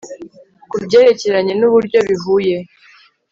kubyerekeranye nuburyo bihuye